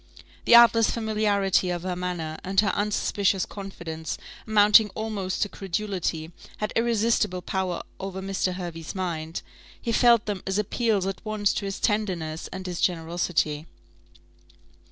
The artless familiarity of her manner, and her unsuspicious confidence, amounting almost to credulity, had irresistible power over Mr. Hervey's mind; he felt them as appeals at once to his tenderness and his generosity.